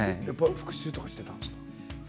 復習はどうしていたんですか。